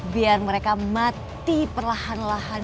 biar mereka mati perlahan lahan